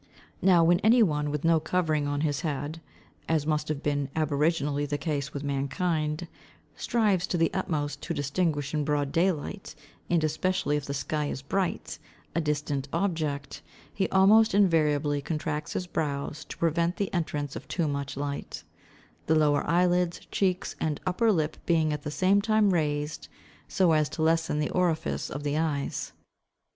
Now, when any one with no covering on his head (as must have been aboriginally the case with mankind), strives to the utmost to distinguish in broad daylight, and especially if the sky is bright, a distant object, he almost invariably contracts his brows to prevent the entrance of too much light; the lower eyelids, cheeks, and upper lip being at the same time raised, so as to lessen the orifice of the eyes.